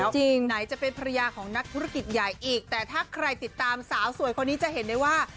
จริงไหนจะเป็นภรรยาของนักธุรกิจใหญ่อีกแต่ถ้าใครติดตามสาวสวยคนนี้จะเห็นได้ว่า